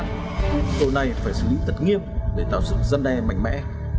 tội này phải xử lý thật nghiêm để tạo sự gian đe mạnh mẽ